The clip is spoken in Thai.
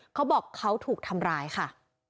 เขาบอกเขาถูกทำร้ายค่ะ